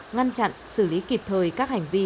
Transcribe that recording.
ngăn chặn xử lý kịp thời các hành vi